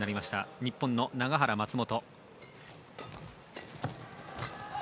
日本の永原、松本。